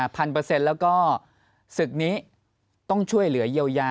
พันเปอร์เซ็นต์แล้วก็ศึกนี้ต้องช่วยเหลือเยียวยา